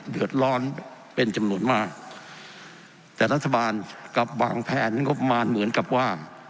เดือดร้อนเป็นจำนวนมากแต่รัฐบาลกลับวางแผนงบประมาณเหมือนกับว่า